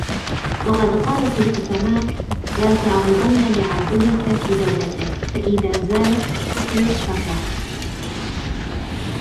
وَقَدْ قَالَتْ الْحُكَمَاءُ لَا تَعْرِضَنَّ لِعَدُوِّك فِي دَوْلَتِهِ فَإِذَا زَالَتْ كُفِيَتْ شَرَّهُ